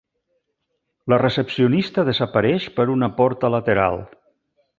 La recepcionista desapareix per una porta lateral.